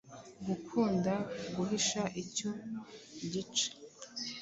gukunda guhisha icyo gice,